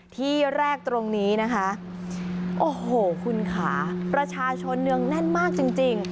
ที่แรกตรงนี้นะคะโอ้โหคุณค่ะประชาชนเนืองแน่นมากจริง